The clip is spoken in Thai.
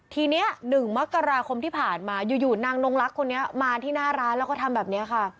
ทีนี้๑มกราคมที่ผ่านมาอยู่นางนงลักษณ์คนนี้มาที่หน้าร้านแล้วก็ทำแบบนี้ค่ะ